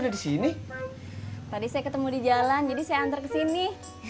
disini tadi saya ketemu di jalan jadi saya antar kesini